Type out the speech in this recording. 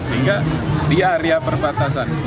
sehingga di area perbatasan